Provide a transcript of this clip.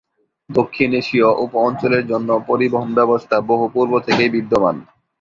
দক্ষিণ এশীয় উপঅঞ্চলের জন্য পরিবহণ ব্যবস্থা বহু পূর্ব থেকেই বিদ্যমান।